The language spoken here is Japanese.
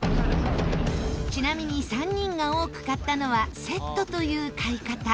ちなみに３人が多く買ったのはセットという買い方。